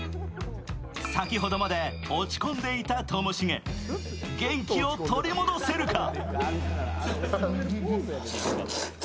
先ほどまで落ち込んでいたともしげ、元気を取り戻せるか。